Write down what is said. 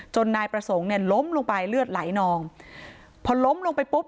นายประสงค์เนี่ยล้มลงไปเลือดไหลนองพอล้มลงไปปุ๊บ